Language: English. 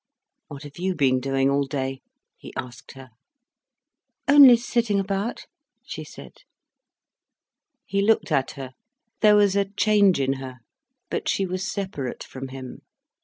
"What have you been doing all day?" he asked her. "Only sitting about," she said. He looked at her. There was a change in her. But she was separate from him.